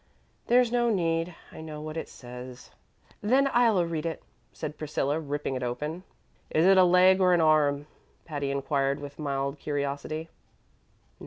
"There's no need. I know what it says." "Then I'll read it," said Priscilla, ripping it open. "Is it a leg or an arm?" Patty inquired with mild curiosity.